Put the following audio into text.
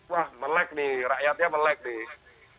wah melek nih rakyatnya melek nih